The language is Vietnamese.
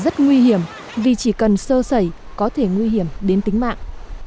rất nguy hiểm vì chỉ cần sơ sẩy có thể nguy hiểm đến tính mạng